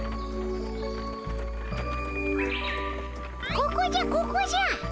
ここじゃここじゃ。